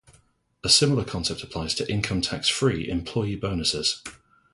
A similar concept applies to income tax free employee bonuses.